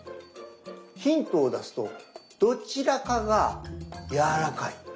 ヒントを出すとどちらかがやわらかい。